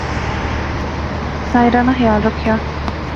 ساحرہ ناں خیال رکھیا